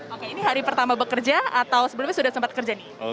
oke ini hari pertama bekerja atau sebelumnya sudah sempat kerja nih